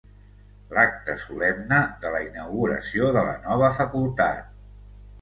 L'acte solemne de la inauguració de la nova facultat.